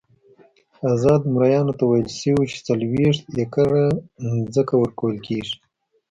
ازادو مریانو ته ویل شوي وو چې څلوېښت ایکره ځمکه ورکول کېږي.